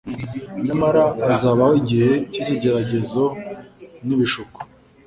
Nyamara hazabaho igihe cy'ikigeragezo n'ibishuko,